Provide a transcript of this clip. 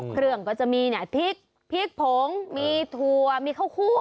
เครื่องก็จะมีน่ะพริกพีกผงมีถั่วมีข้าวคั่ว